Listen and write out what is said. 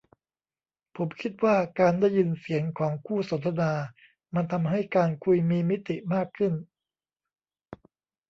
ผมคิดว่าการได้ยินเสียงของคู่สนทนามันทำให้การคุยมีมิติมากขึ้น